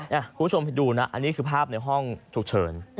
คุณผู้ชมดูนะอันนี้คือภาพในห้องฉุกเฉิน